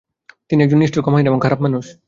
তিনি একজন নিষ্ঠুর, ক্ষমাহীন এবং খারাপ মানুষ।